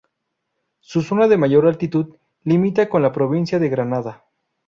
Su zona de mayor altitud limita con la provincia de Granada.